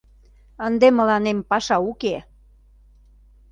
Ынде мыланем паша уке...